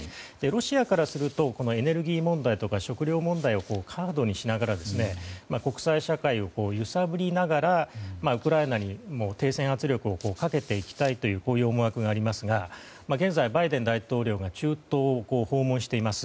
ロシアからするとエネルギーや食糧問題をカードにしながら国際社会を揺さぶりながらウクライナにも停戦圧力をかけていきたいという思惑がありますが現在、バイデン大統領が中東を訪問しています。